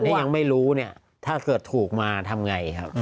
คนเนี่ยยังไม่รู้ถ้าเกิดถูกมาทำอย่างไร